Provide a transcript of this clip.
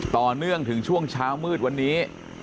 ต่อเนื่องถึงช่วงเช้ามืดวันนี้